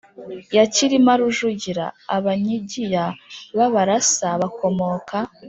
ya Cyilima Rujugira; Abanyigiya b’Abarasa bakomoka